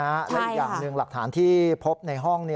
และอีกอย่างหนึ่งหลักฐานที่พบในห้อง